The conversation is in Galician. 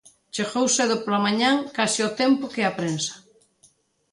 Chegou cedo pola mañá case ao tempo que a prensa.